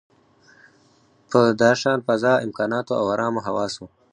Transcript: په داشان فضا، امکاناتو او ارامو حواسو.